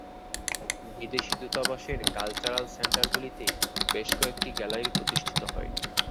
বিদেশি দূতাবাসের কালচারাল সেন্টারগুলিতে বেশ কয়েকটি গ্যালারি প্রতিষ্ঠিত হয়।